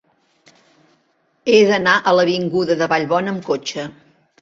He d'anar a l'avinguda de Vallbona amb cotxe.